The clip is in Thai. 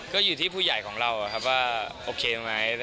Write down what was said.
ก็อยู่ที่ผู้ใหญ่ของเราว่าโอเคไหม